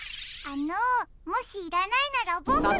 あのもしいらないならボクが。